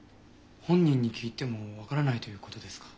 本人に聞いても分からないということですか。